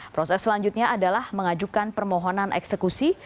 proses selanjutnya adalah mengajukan permohonan eksekusi